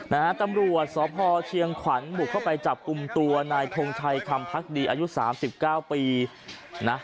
นะฮะตำรวจสพเชียงขวัญบุกเข้าไปจับกลุ่มตัวนายทงชัยคำพักดีอายุสามสิบเก้าปีนะ